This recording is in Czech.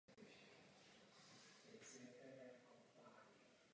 Začněme tedy s novou finanční morálkou.